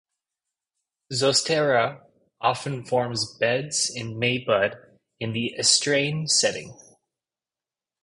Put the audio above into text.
"Zostera" often forms beds in bay mud in the estuarine setting.